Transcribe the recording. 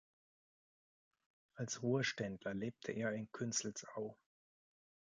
Als Ruheständler lebte er in Künzelsau.